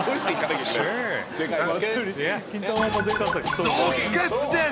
即決です！